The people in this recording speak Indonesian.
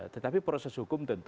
tetapi proses hukum tentu